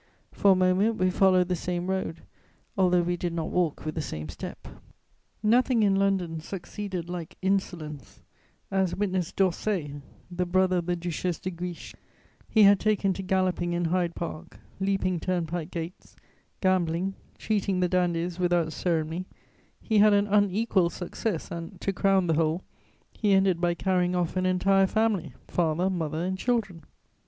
For a moment we followed the same road, although we did not walk with the same step. Nothing in London succeeded like insolence, as witness d'Orsay the brother of the Duchesse de Guiche: he had taken to galloping in Hyde Park, leaping turnpike gates, gambling, treating the dandies without ceremony; he had an unequalled success and, to crown the whole, he ended by carrying off an entire family, father, mother and children.